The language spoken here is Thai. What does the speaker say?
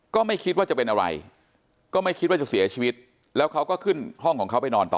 ก็ไม่คิดว่าจะเป็นอะไรก็ไม่คิดว่าจะเสียชีวิตแล้วเขาก็ขึ้นห้องของเขาไปนอนต่อ